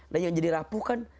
dan yang jadi rapuh kan